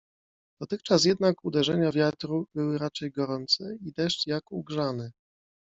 Dotychczas jednak uderzenia wiatru były raczej gorące i deszcz jak ugrzany.